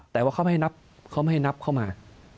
แต่ว่าเขาไม่ให้นับเขาไม่ให้นับเข้ามา